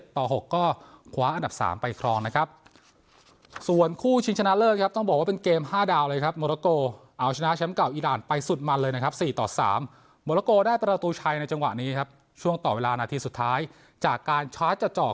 ๗ต่อ๖ก็คว้าอันดับ๓ไปครองนะครับ